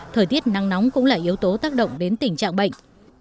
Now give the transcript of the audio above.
thời tiết nắng nóng cũng là yếu tố tác động đến tình trạng bệnh